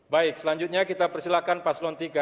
baik selanjutnya kita persilahkan paslon tiga